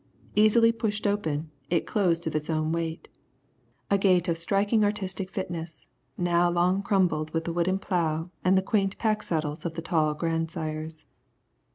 Easily pushed open, it closed of its own weight. A gate of striking artistic fitness, now long crumbled with the wooden plough and the quaint pack saddles of the tall grandsires.